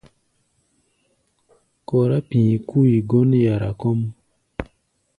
Kɔrá pi̧i̧ kui gɔ́n yara kɔ́ʼm.